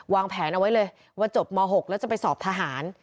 วางแผนเอาไว้เลยว่าจบม๖แล้วจะไปสอบทหาร